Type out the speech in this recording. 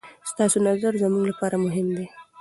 ستاسې نظر زموږ لپاره مهم دی.